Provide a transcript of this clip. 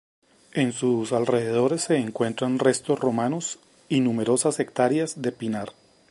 En sus alrededores se encuentran restos romanos y numerosas hectáreas de pinar.